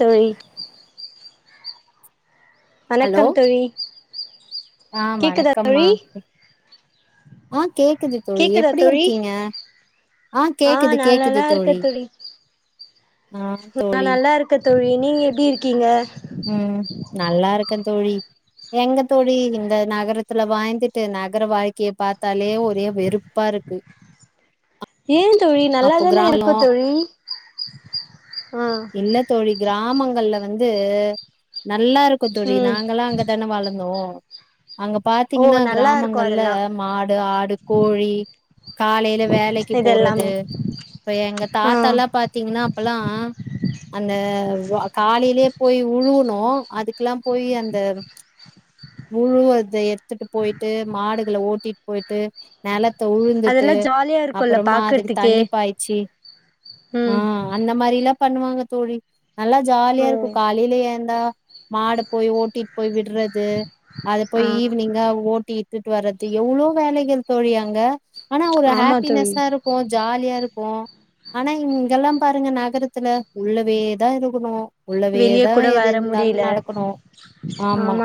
தோழி ஹலோ வணக்கம் தோழி ஆ கேக்குதா வணக்கம்மா தோழி ஆ கேக்குது தோழி கேக்குதா எப்டி தோழி இருக்கீங்க ஆ கேக்குது நா கேக்குது நல்லா இருக்கே தோழி ஆ நா தோழி நல்லா இருக்க தோழி நீங்க எப்டி இருக்கீங்க ம் நல்லா இருக்கே தோழி எங்க தோழி இந்த நகரத்துல வாயழ்ந்துட்டு நகர வாழ்க்கைய பாத்தாலே ஒரே வெறுப் பாருக்கு அ ஏ தோழி நல்லாதானே இருக்கு தோழி அ இல்ல தோழி கிராமங்கள்ல வந்து நல்லா இருக்கு தோழி ம் நாங்கல்லா அங்கதான வளந்தோ அங்க ஓ பாத்தீங்கனா நல்லா இருக்கு கிராமங்கள் ல அதெல்லா மாடு ஆடு கோழி காலைல வேலைக்கு இது போறது எல்லாமே இப்ப எங்க ஆ தாத்தால்லா பாத்தீங்கன்னா அப்பல்லா அந்த காலைலயே போய் உழுவுனோ அதுக்கெல்லா போய் அந்த உழுவர்த எடுத்துட்டு போய்ட்டு மாடுகள ஓட்டிட்டு போய்ட்டு நலத்த அதெல்லா உழுந்துட்டு ஜாலியா இருக்குல்ல அப்றமா அதுக்கு பாக்குறதுக்கே தண்ணி பாய்ச்சி ஆ ம் அந்த மாரில்லா பண்ணுவாங்க தோழி நல்லா ஜாலியா ஓ இருக்கு காலைல ஏழ்ந்தா மாட போய் ஓட்டி போய் விடுறது அத ஆ போய் ஈவ்னிங்கா ஓட்டி விட்டுட்டு வர்றது எவ்ளோ வேலைகள் தோழி அங்க ஆனா ஒரு ஆமா தோழி ஹப்பினஸ்ஸா இருக் போ ஜாலியா இருப்போ ஆனா இங்கெல்லா பாருங்க நகரத் த்துல உள்ளவேதா இருக்கணு வெளிய உள்ளவேதா கூட எது வர இருந்தாலு முடியல நடக்கணு ஆமா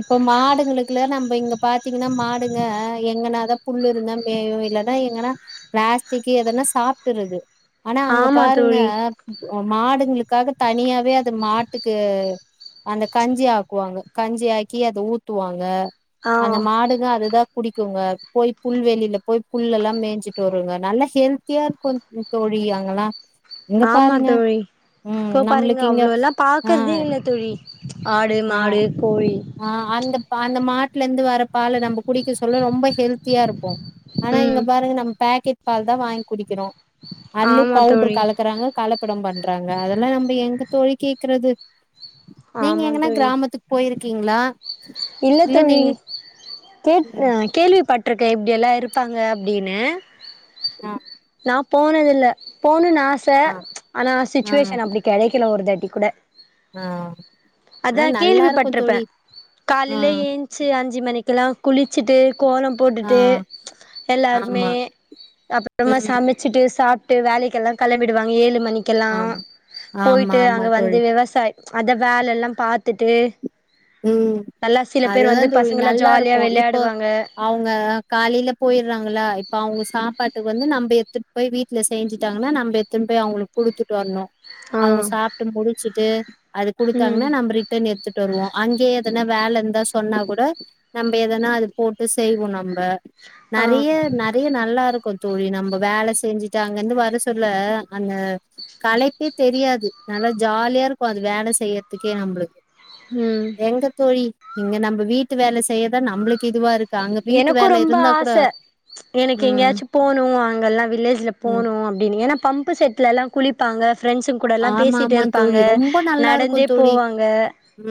இப்போ மாடுகங்களுக்குலா நம்ப இங்க பாத்தீங்கனா மாடுங்க எங்கன தா புல்லு இருந்தா எங் வீட்லலா எங்கனா ப்ளாஸ்டிக்கி எதனா சாப்ட்டுறது ஆனா அங்க ஆமா தோழி அ மாடுங்களுக்காக தனியாவே அது மாட்டுக்கு அந்த கஞ்சி ஆக்குவாங்க கஞ்சி ஆக்கி அத ஊத்துவாங்க அந்த ஆ மாடுங்க அதுதா குடிக்குங்க போய் புல் வெளில போய் புல்ல எல்லா மேஞ்சிட்டு வருங்க நல்லா ஹெல்த்தியா இருக்கு தோழி அங்கல்லா இங்க ஆமா பாருங்க தோழி ம் இப்போ பாருங்க நம்மளுக்கு இங்க அவ்ளோல்லா ஆ பாக்கறதே இல்ல தோழி ஆடு ஆ மாடு கோழி ஆ அந்த அந்த மாட்ல இருந்து வர பால நம்ப குடிக்க சொல்லோ ரொம்ப ஹெல்த்தியா இருப்போ ஆனா இங்க ம் பாருங்க நம்ம பக்கெட் பால் தா வாங்கி குடிக்கிறோ அதுலயே ஆமாத் பவுடரு கலக்குறாங்க கலப்படோ பண்றாங்க அதெல்லா நம்ப எங்க தோழி கேக்குறது நீங்க ஆமா எங்கனா தோழி கிராமத்துக் போய்ருக்கீங்களா இல்ல தோழி கேட் ம் கேள்விப்பட்ருக்க இப்டியெல்லா இருப்பாங்க டீன்னு ஆ நா போனதில்ல போணுன் ஆச ஆ ஆனா ஆ சிச்சுவேஷன் அப்டி கெடைக்கல ஒரு தாட்டி கூட ஆ ஆனா அதா நல்லா இருக்கு கேள்விப்பட்ருப்ப தோழி ஆ காலைல ஏஞ் ச்சி அஞ்சி மணிக்கெல்லா குளிச்சிட்டு கோலம் ஆ போட்டுட்டு எல்லாருமே ஆமா றமா ம் சமச்சிட்டு சாப்ட்டு வேலைக்கெல்லா கெளம்பிடுவாங்க ஏழு மணிக் கெல்லா ஆமா ஆமா போய்ட்டு ஆமா அங்க தோழி வந்து விவசா அத வேலல்லா பாத்துட்டு ம் நல்லா சில பேர் அதுதா வந்து தோழி பசங்கல்லா நல்லா ஜாலியா இருக்கு இப்போ விளையாடுவாங்க அவங்க காலைல போய்றாங்களா இப்ப அவங்க சாப்பாட்டு வந்து நம்ம எத்துட்டு போய் வீட் ல செஞ்சிட்டாங்கன்னா நம்ப எத்தின்னு போய் அவங்களுக்கு குடுத்துட்டு வரணு ஆ அவங்க சாப்ட்டு முடிச்சிட்டு அது ம் குடுத்தாங்கன்னா நம்ம ரிட்டன் எட்த்துட்டு வருவோ அங்கேயே எதனா வேல இந்தா சொன்னா கூட நம்ம எதனா அது போட்டு செய்வோ நம்ப ஆ நறைய ந நறைய நல்லா இருக்கு தோழி நம்ம வேல செஞ்சுட்டு அங்க இருந்து வர சொல்ல அந்த களைப்பே தெரியாது நல்லா ஜாலியா இருக்கு அது வேலை செய்யற்துக்கே நம்மளுக் ம் எங்க தோழி இங்க நம்ம வீட்டு வேல செய்யதா நம்பளுக் எனக்கு ரொம்ப ஆச எனக்கு ம் எங்கேயாச்சு போணு அங்கல்லா வில்லேஜ்ல ம் போணு அப்டின்னு ஏன்னா பம்பு செட் த்துல எல்லா குளிப்பாங்க ஃப்ரெண்ட்ஸ்ங்க கூடல்லா ஆமா பேசிட்டு ஆமா இருப்பாங்க தோழி ரொம்ப நல்லா இருக்கு நடந்தே தோழி போவாங்க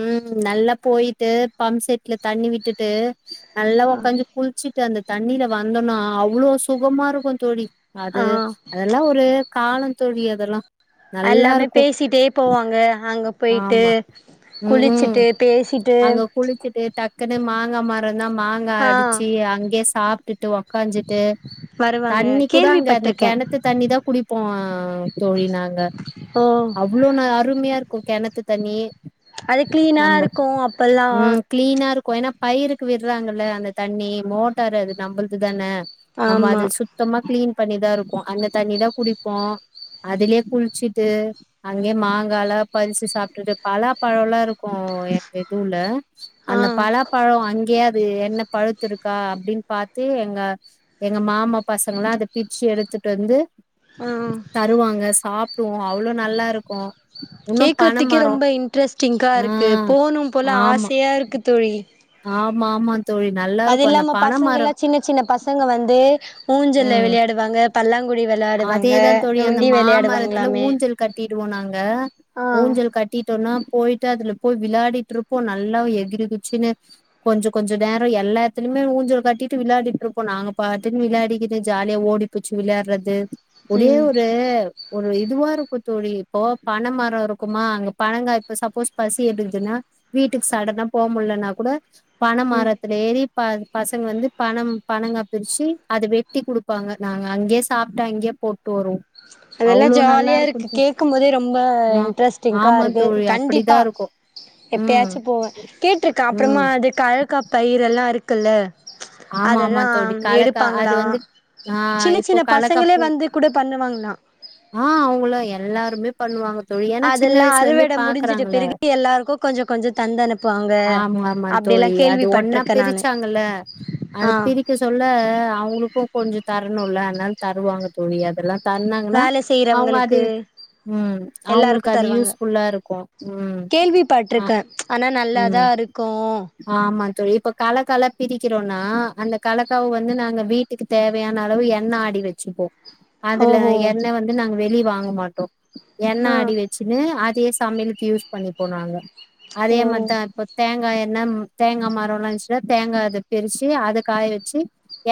ம் நல்லா போய்ட்டு பம் செட்ல தண்ணி விட்டுட்டு நல்லா உக்காஞ்சி குளிச் வச்சிட்டு அந்த தண்ணில வந்தோன்னா அவ்ளோ சுகமா இருக்கு தோழி ஆ அது அத எல்லா ஒரு காலோ தோழி அதெல்லா நல்லா அல்லாமே இருக்கு பேசிட்டே போவாங்க அங்க போய்ட்டு ஆமா குளிச்சிட்டு பேசிட்டு குளிச்சிட்டு டக்குன்னு மாங்கா மரோஇந்தா மாங்கா ஆ அடிச்சு அங்கேயே சாப்டுட்டு உக்காஞ்சிட்டு வருவாங்க தண்ணி கூட அங்க அந்த கேள்விப்பட்ருக்கே கெணத்து தண்ணி தா குடிப்போ ஆ தோழி நாங்க ஓ அவ்ளோ நா அருமையா இருக்கு கெணத்து தண்ணி அது கிளீனா இருக்கு அப்பல்லா க்ளீன்னா இருக்கு ஏன்னா பயிருக்கு விட்றாங்கல்ல அந்த தண்ணி மோட்டாரு அது நம்புள்து தான நம்ப ஆமா அது சுத்தமா க்ளீன் பண்ணிதா இருக்கு அந்த தண்ணிதா குடிப்போ அதுலயே குளிச்சிட்டு அங்கயே மாங்கால பரிச்சி சாப்ட்டுட்டு பலா பழோலா இருக்கு எங்க இதுவுல்ல ஆ அந்த பலாப்பழோ அங்கயே அது என்ன பழுத்து இருக்கா அப்டின்னு பாத்து எங்க எங்க மாமா பசங்கல்லா‌ அத பிச்சி எடுத்துட்டு வந்து ஆ தருவாங்க சாப்டுவோ அவ்ளோ நல்லா இருக்கு இன்னு கேக்கறதுக்கே பனமரோ ரொம்ப இன்ட்ரெஸ்டிங்கா ஆ இருக்கு போனும் போல ஆமா ஆசையா இருக்கு தோழி ஆமா ஆமா தோழி நல் அது இல்லாம பசங்கல்லா சின்ன சின்ன பசங்க வந்து ஊஞ்சல்ல ம் விளையாடுவாங்க பல்லாங்குழி விளையாடுவாங்க அதேதா தோழி அந்த நொண்டி மாமரத்துல விளையாடுவாங்களாமே ஊஞ்சல் கட்டிடுவோ நாங்க ஆ ஊஞ்சல் கட்டிட்டோன்னா போய்ட்டு அதுல போய் விளாடிட்டு இருப்போ நல்லா எகிரி குச்சின்னு கொஞ்ச கொஞ்ச நேரோ எல்லா இடத்திலயுமே ஊஞ்சல் கட்டிட்டு விளாடிட்டு இருப்போ நாங்க பாட்டுக்கு விளையாடிகிட்டு ஜாலியா ஓடி புச்சி விளையாடுறது ஒரே ம் ஒரு ஒரு இதுவா இருக்கு தோழி இப்போ பன மரோ இருக்குமா அங்க பனங்கா இப்ப சப்போஸ் பசி எடுக்குதுன்னா வீட்டுக்கு சடன்னா போ முல்லன்னா கூட பண ம் மரத் தல ஏரி பா பசங்க வந்து பணம் பணங்கா பெரிச்சி அத வெட்டி குடுப்பாங்க நாங்க அங்கே சாப் ட்டு அங்கே போட்டு வருவோ அதெல்லா அவ்ளோ நல்லா ஜாலியா இருக்கு தோ கேக்கும் போதே ரொம்ப ஆ இன்ட்ரெஸ்ட்டிங்கா ஆமா இருக்கு தோழி கண்டிப்பா அப்படிதா இருக்கு ம் எப்பயாச்சு போவ கேட்ருக்க ம் அப்புறமா அது கழ்கப்பை இதெல்லா இருக்குல்ல ஆமா ஆமா அதெல்லா தோழி கலக்கா அது எடுப்பாங்களா வந்து ஆ சின்ன இப்போ சின்ன கலக்கா பசங்களே பூ வந்து கூட பண்ணுவாங்ளா ஆ அவுங்களோ எல்லாருமே பண்ணுவாங்க தோழி ஏன்னா சின்ன அதெல்லா வயசுல இருந்தே அறுவட முடிஞ்சுட்டு பாக்குறாங்களா பிறகு எல்லாருக்கு கொஞ்ச கொஞ்ச தந்து அனுப்புவாங்க ஆமா ஆமா அப்டியெல்லா தோழி அது ஒன்னா கேள்விப்பட்ருக்கே நானு பிரிச்சாங்கல்ல அது ஆ பிரி க்க சொல்ல அவுங்களுக்கு கொஞ்சோ தரணுல்ல அதனால தருவாங்க தோழி அதெல்லா தன்னாங்கன்னா வேல அவுங்க அத செய்றவங்களுக்கு ம் அவுங்களுக்கு எல்லாருக்கு அது தருவாங்க யூஸ்ஃபுல்லா இருக்கு ம் அ ம் கோ ஆமா தோழி இப்ப கலக்கல பிரிக்கிறோ னா அந்த கலக்காவு வந்து நாங்க வீட்டுக்கு தேவையான அளவு எண்ண ஆடி வச்சுப்போ அதுல ஓஹோ எண்ணெ வந்து நாங்க வெளிய வாங்க மாட்டோ எண்ணெ ஆ ஆடி வ ச்சினு அதே சமயலுக்கு யூஸ் பண்ணி போ நாங்க அதே ஓ மா தா தேங்கா எண்ண ம் தேங்கா மரோல்லா இருந்ச்சின்னா தேங்கா அது பிரிச்சி அத காய வெச்சி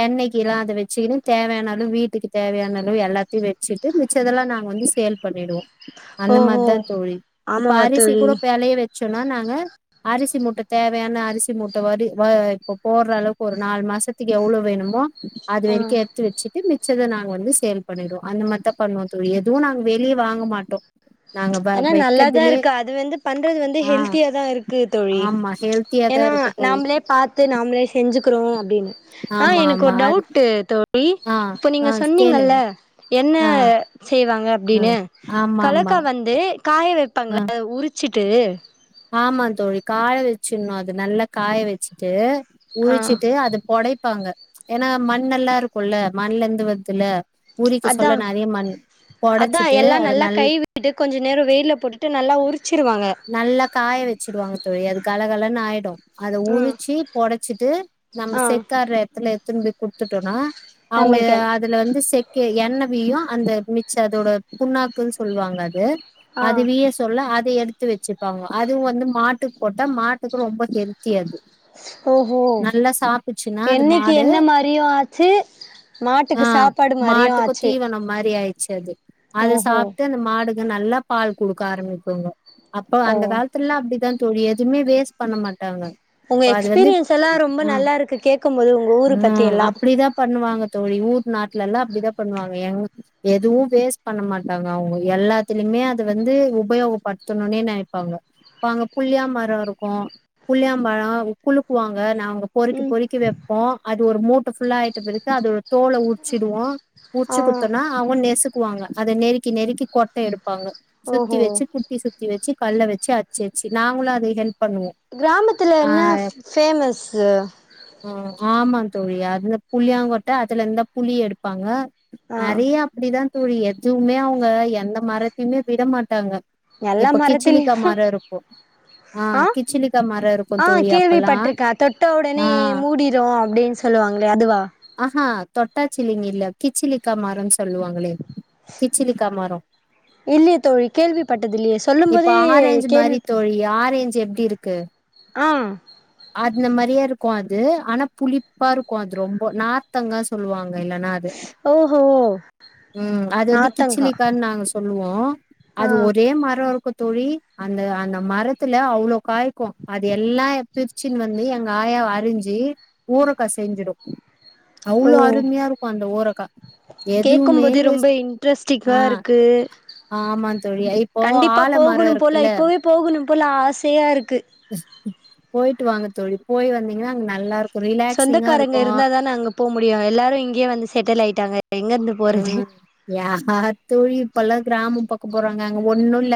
எண்ணைக்கெல்லா அத வெச்சிக்கினு தேவையான அளவ் வீட்டுக்கு தேவையான அளவ் எல்லாத்தையு வெச்சிட் டு மிச்சதெல்லா நாங் வந்து சேல் பண்ணிடுவோ அந்த மார் ஓஹோ தா தோழி இப்ப ஆமாவா அரிசி தோழி கூட ப் வெளய வெ ச்சோன்னா நாங்க அரிசி மூட்ட தேவையான அரிசி மூட்ட வடு வ இப்ப போட்றளவுக்கு ஒரு நால் மாசத்துக் எவ்வளோ வேணுமோ அது வரிக்கு ஆ எடுத்து வெச்சிட்டு மிச் சத நாங்க வந்து சேல் பண்ணீடுவோ அந்த மார் தா பண்ணுவோ தோழி எதுவு நாங் வெளிய வாங்க மாட்டோ நாங்க வ ஆனா நல்லாதா வெக்கதுலே இருக்கு அது வந்து பண்றது வந்து ஆ ஹெல்த்தியா தா இருக்கு தோழி ஆமா ஹெல்த்தியாதா ஏனா இருக்கு தோழி நாம்ளே பாத்து நாம்ளே செஞ்சுக்குறோ அப்டினு ஆ ஆமா எனக் ஆமா ஒர் அது டவுட்டு தோழி ஆ இப்ப ஆ நீங்க கேளுங்க சொன்னீங்கல்ல எண்ண ஆ செய்வாங்க ஆ அப்டினு ஆமா ஆமா கல்லக்கா வந்து காய ஆ வெப்பாங்கல்ல உரிச்சிட்டு ஆமா தோழி காய வெச்சிட்ணு அது நல்லா காய வெச்சிட்டு ஆ உரிச்சிட்டு அத பொடைப்பாங்க ஏனா மண்ணல்லா இருக்குல்ல மண்லர்ந்து வர்துல்ல உரிக்க அதா சொல்ல நறைய மண் அதா பொடச்சிட்டு எல்லா அத நல்லா நல் கை விட்டு கொஞ்ச நேரோ வெயில்ல போட்டுட்டு நல்லா உரிச்சிருவாங்க நல்லா காய வெச்சிடுவாங்க தோழி அது கலகலன் ஆய்டு அத ம் உரிச்சி பொடச்சிட்டு நம்ம ஆ செக்காட்ற எட்த்துல எட்த்துன் போய் குட்த்துட்டோன்னா அவுங்க நம்மளுக்கு அதுலர்ந்து செக்கு எண்ண வீயு அந்த மிச்ச அதோட புண்ணாக் குன் சொல்வாங்க அது ஆ அது வீய சொல்ல அத எடுத் து வெச்சிப்பாங்க அது வந்து மாட்டுக் போட்டா மாட்டுக்கு ரொம்ப ஹெல்த்தி அது ஓஹோ நல்லா சாப்ட்டுச்சுன்னா அது என்னைக்கு மாடு என்ன மாரியு ஆச்சு ஆ மாட்டுக்கு சாப்பாடு மாரியு மாட்டுக்கு ஆச்சு தீவனோ மாரி ஆய்ர்ச்சு அது அது ஓஹோ சாப்ட்டு அந்த மாடுங்க நல்லா பால் குடுக்க ஆரம்பிக்குங்க அப்போ ஓ அந்த கால்த்துல்லா அப்டி தா தோழி எதுமே வேஸ்ட் பண்ண மாட்டாங்க உங்க ப அது வந்து எக்ஸ்பீரியன்ஸ் எல்லா ரொம்ப ம் நல்லா இருக்கு கேக்கும்போது உங்க ஊரு பத்தி ம் எல்லா அப்டிதா பண்ணுவாங்க தோழி ஊர் நாட்லெல்லா அப்டிதா பண்வாங்க எங் ஊ எதுவு வேஸ்ட் பண்ண மாட்டாங்க அவுங்க எல்லாத்திலிமே அத வந்து உபயோகப்பட் த்துணுன்னே நெனைப்பாங்க இப்ப அங்க புள்யா மரோ இருக்கு புள்யா மரோ குழுக்குவாங்க நாங்க பொறுக்கி ம் பொறுக்கி வெப்போ அது ஒரு மூட்ட ஃபுல்லா ஆய்ட்ட பெறகு அதோட தோல உர்ச்சிடுவோ ஆ உர்ச்சி குட்த்தன்னா அவுங்க நெசுக்குவாங்க அத நெருக்கி நெருக்கி கொட்ட எடுப்பாங்க சுத்தி ஓஹோ வெச்சி கு த்தி சுத்தி வெச்சி கல்ல வெச்சி அச்சு அச்சு நாங்களு அது ஹெல்ப் பண்ணுவோ கிராமத்துல ஆ என்ன ஃப் ஃபேமஸ்ஸு ஆ ஆமாங் தோழி அந்த புள்யாங்கொட்ட அதுலர்ந்த் தா புளியெடுப்பாங்க ஆ நறைய அப்டிதா தோழி எதுமே அவுங்க எந்த மரத்தைமே விட மாட்டாங்க எல்லா இப்ப கிச்சிலிக்கா மரத்திலியு மரோ இருக்கு ஆ கிச்சிலிக்கா மரோ இருக்கு ஆ தோழி அப்பல்லா கேள்விப்பட்ருக்கே தொட்ட உடனே ஆ மூடிரு அப்டின் சொல்லுவாங்ளே அதுவா ஆஆ தொட்டாச்சிலிங்கி இல்ல கிச்சிலிக்கா மரோனு சொல்லுவாங்களே கிச்சிலிக்கா மரோ இல்லயே தோழி கேள்விப்பட்டதில்லயே இப்ப ஆரஞ்சு மாரி தோழி ஆரேஞ்சு எப்டி இருக்கு ஆ அந்த மாரியே இருக்கு அது ஆனா புளிப்பா இருக்கு அது ரொம்ப நார் த்தங்கா சொல்லுவாங்க இல்லனா அது ஓஹோ ம் அது வந்து நாத்தங்கா கிச்சலிக்கான் நாங்க சொல்லுவோ அது ஆ ஒரு ஒரே மரம் இருக்கு தோழி அந்த அந்த மரத்துல அவ்ளோ காய்கு அது எல்லா எப்ப ச்சுன்னு வந்து எங்க ஆயா அரிஞ்சு ஊருக்கா செஞ்சிடு அவ்ளோ அருமையா இருக்கு அந்த ஊருக்கா கேக்கும்போதே ரொம்ப இன்ட்ரெஸ்ட்டிங்கா ஆ இருக்கு ஆமா தோழி இப்போ கண்டிப்பா ஆலமரோ போகணு போல இருக்குல்ல இப்போவே போகணு போல ஆசையா இருக்கு ஸ் போயிட்டு வாங்க தோழி போய் வந்தீங்கன்னா அங்க நல்லா இருக் சொந்தக்காரங்க இருந்தா தானே அங்க போ முடியு எல்லாரு இங்கேயே வந்து செட்டில் ஆயிட்டாங்க எங்க இருந்து போறது ம் யார் தோழி இப்பல்லா கிராம பக்க போறாங்க அங்க ஒண்ணு இல்ல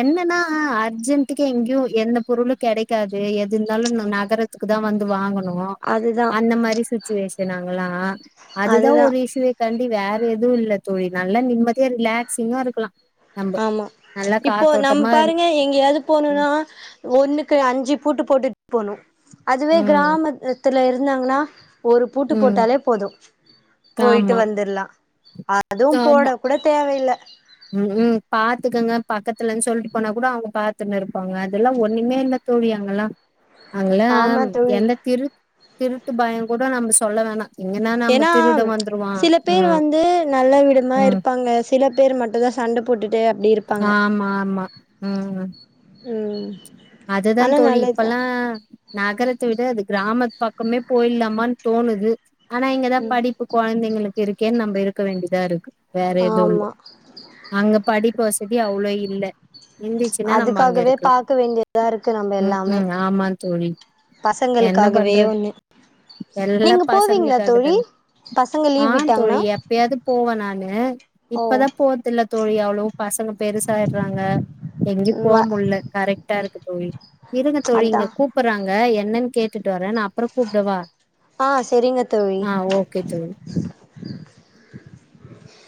என்னன்னா அர்ஜென்டுக்கு எங்கேயு எந்த பொருளு கிடைக்காது எது இருந்தாலு நகர த்துக்கு தா வந்து வாங்கணு னுவோ அதுதா அந்த மாரி சுச்சுவேஷன் அங்கல்லா அதுதா ஒரு இஷ்யுவே டி வேற எதுவு இல்ல தோழி நல்லா நிம்மதியா ரிலாக்ஸிங்கா இருக்கலா நம்ப ஆமா நல்லா இப்போ நம்ம காத்தோட்டமா இருக்கு பாருங்க எங்கயாது போணுனா ஒண்ணுக்கு அஞ்சு பூட்டு போட்டுட் போனு அதுவே ம் கிராமத் த்துல இருந்தாங்கன்னா ஒரு பூட்டு ம் போட்டாலே போது போயிட்டு ஆமா வந்துர்லா அதுவு ஆமா போடக் கூட தேவை இல்ல ம் பாத்துக்கங்க பக்கத்துலனு சொல்ட்டு போனா கூட அவங்க பாத்துன்னு இருப்பாங்க அதெல்லா ஒண்ணுமே இல்ல தோழி அங்கல்லா அங்கலா ஆமா தோழி எந்த திரு திருட்டு பயம் கூட நம்ம சொல்ல வேணா எங்கன்னா நம்ம ஏனா திருட வந்துருவா சில பேர் ம் வந்து நல்ல விதமா ம் இருப்பாங்க சில பேர் மட்டுந்தா சண்ட போட்டுட்டு அப்டி இரு ஆமா ஆமா ம் ம் அது தா ஆனா தோழி நல்லதுதா இப்பல்லா நகரத்த விட அது கிராமத்து பக்கமே போய்லாமான்னு தோணுது ஆனா இங்கதா படிப்பு கொழந்தைங்களுக்கு இருக்கேன்னு நம்ப இருக்க வேண்டிதா இருக்கு வேற எதுவு இல்ல ஆமா அங்க படிப்பு வசதி அவ்ளோ இல்ல இருந்துச்சுன்னா நம்ம அங்க இருக்கலா க வேண்டியதா இருக்கு நம் ம் ம் ஆமா தோழி என்ன பசங்களுக்காகவே பண்றது ஒன்னு எல்லா நீங்க போவீங்களா பசங்களுக்காக தோழி தான பசங்க ஆ லீவ் தோழி விட்டாங்கன்னா எப்பயாவது போவே நானு ஓ இப்பதா போற்தில்ல தோழி அவ்வளவு பசங்க பெருசாயிடுறாங்க எங்கயு போ வ முல் ல கரெட்டா இருக்கு தோழி இருங்க தோழி அதா இங்க கூப்படுறாங்க என்னன்னு கேட்டுட்டு வரே நா அப்புற கூப்டவா ஆ செரிங்க தோழி ஆ ஓகே தோ